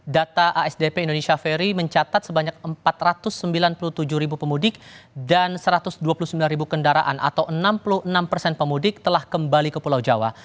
data asdp indonesia ferry mencatat sebanyak empat ratus sembilan puluh tujuh ribu pemudik dan satu ratus dua puluh sembilan ribu kendaraan atau enam puluh enam persen pemudik telah kembali ke pulau jawa